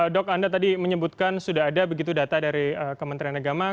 dok anda tadi menyebutkan sudah ada begitu data dari kementerian agama